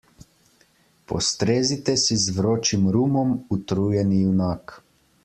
Postrezite si z vročim rumom, utrujeni junak.